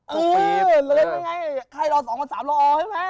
เหลือไปไง